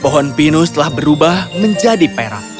pohon pinus telah berubah menjadi perak